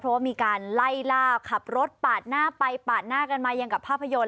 เพราะว่ามีการไล่ล่าขับรถปาดหน้าไปปาดหน้ากันมาอย่างกับภาพยนตร์